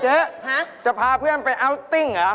จะพาเพื่อนไปอัลติ้งเหรอ